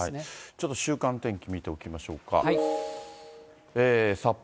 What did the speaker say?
ちょっと週間天気見ておきましょうか。